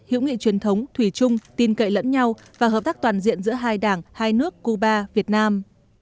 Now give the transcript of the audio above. hữu nghị truyền thống thủy chung tin cậy lẫn nhau và hợp tác toàn diện giữa hai đảng hai nước cuba việt nam